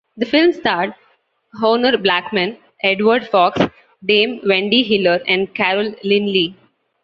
The film starred Honor Blackman, Edward Fox, Dame Wendy Hiller and Carol Lynley.